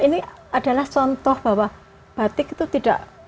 ini adalah contoh bahwa batik itu tidak